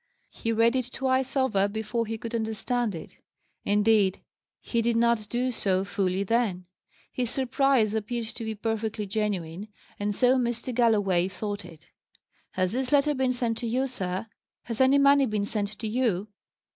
He read it twice over before he could understand it; indeed, he did not do so fully then. His surprise appeared to be perfectly genuine, and so Mr. Galloway thought it. "Has this letter been sent to you, sir? Has any money been sent to you?"